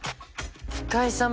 深井さん